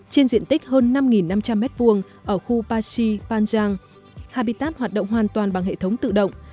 trên diện tích hơn năm năm trăm linh m hai ở khu pashi pazang hapitap hoạt động hoàn toàn bằng hệ thống tự động